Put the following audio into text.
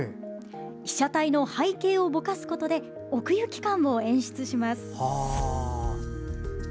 被写体の背景をぼかすことで奥行き感を演出します。